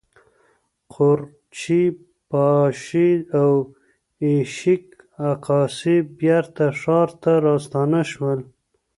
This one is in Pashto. قورچي باشي او ایشیک اقاسي بیرته ښار ته راستانه شول.